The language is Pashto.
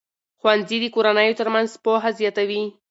ښوونځي د کورنیو ترمنځ پوهه زیاتوي.